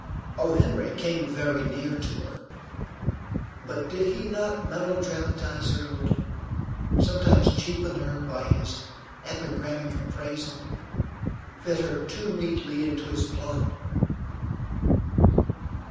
O. Henry came very near to her, but did he not melodramatize her a little, sometimes cheapen her by his epigrammatic appraisal, fit her too neatly into his plot?